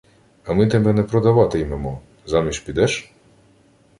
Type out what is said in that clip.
— А ми тебе не продавати-ймемо. Заміж підеш?